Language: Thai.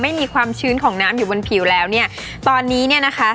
ไม่มีความชื้นของน้ำอยู่บนผิวแล้วเนี่ยตอนนี้เนี่ยนะคะ